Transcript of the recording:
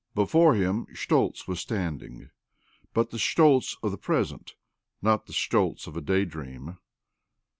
Befoi him Schtoltz was standing— but the Schtoli of the present, not the Schtoltz of a day dream.